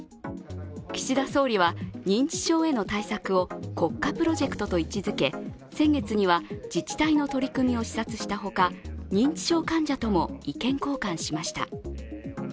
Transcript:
岸田総理は認知症への対策を国家プロジェクトと位置づけ、先月には自治体の取り組みを視察したほか認知症患者とも意見交換しました。